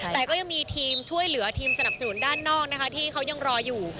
แต่ก็ยังมีทีมช่วยเหลือทีมสนับสนุนด้านนอกนะคะที่เขายังรออยู่